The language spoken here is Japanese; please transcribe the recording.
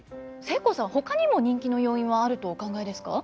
せいこうさんほかにも人気の要因はあるとお考えですか。